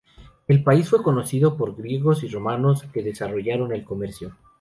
El país fue conocido por griegos y romanos, que desarrollaron el comercio.